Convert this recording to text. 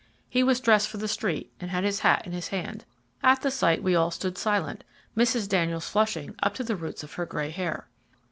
He was dressed for the street and had his hat in his hand. At the sight we all stood silent, Mrs. Daniels flushing up to the roots of her gray hair.